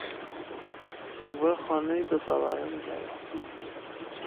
دنبال خانه دو طبقه می گردم.